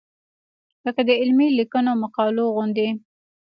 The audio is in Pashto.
لکه د علمي لیکنو او مقالو غوندې.